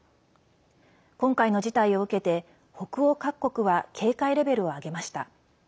今回の事態を受けて北欧各国は警戒レベルを上げました。